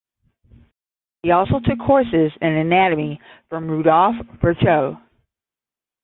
He also took courses in anatomy from Rudolf Virchow.